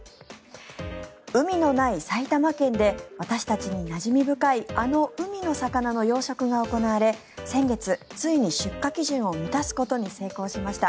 海のない埼玉県で私たちになじみ深いあの海の魚の養殖が行われ先月、ついに出荷基準を満たすことに成功しました。